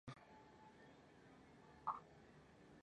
Divisoria entre la Meseta Norte y la Meseta Sur.